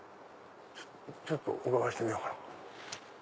ちょっとお伺いしてみようかな。